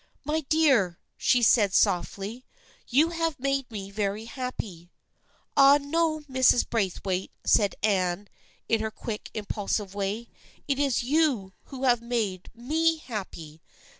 " My dear," she said softly, " you have made me very happy." " Ah, no, Mrs. Braithwaite," said Anne in her quick impulsive way, " it is you who have made me happy